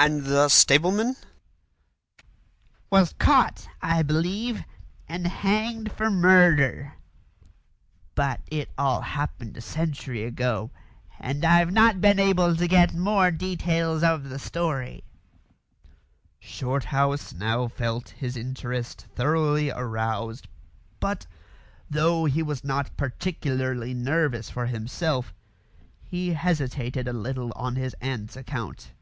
"And the stableman ?" "Was caught, I believe, and hanged for murder; but it all happened a century ago, and I've not been able to get more details of the story." Shorthouse now felt his interest thoroughly aroused; but, though he was not particularly nervous for himself, he hesitated a little on his aunt's account.